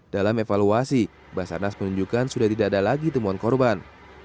dalam evaluasi basarnas menunjukkan sudah tidak ada lagi temuan korban